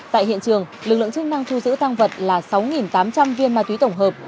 tại hiện trường lực lượng chức năng thu giữ tăng vật là sáu tám trăm linh viên ma túy tổng hợp